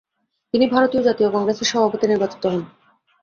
তিনি ভারতীয় জাতীয় কংগ্রেসের সভাপতি নির্বাচিত হন।